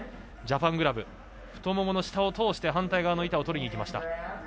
ジャパングラブ太ももの下を通して反対側の板をとりにいきました。